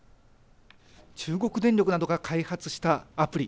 中国電力などが開発したアプリ。